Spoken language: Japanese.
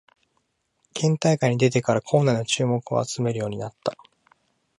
県大会に出てから校内の注目を集めるようになった